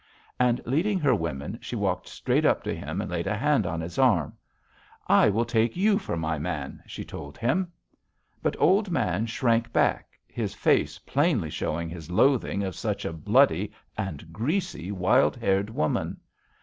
And, leading her women, she walked straight up to him and laid a hand on his arm: 'I will take you for my man,' she told him. "But Old Man shrank back, his face plainly showing his loathing of such a bloody and greasy, wild haired woman.